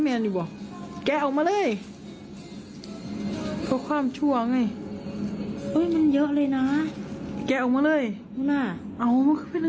แล้วเตามาหลายคนไม่ได้กิน